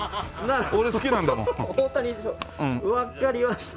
わかりました。